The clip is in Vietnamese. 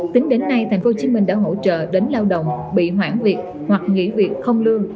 tính đến nay tp hcm đã hỗ trợ đến lao động bị hoãn việc hoặc nghỉ việc không lương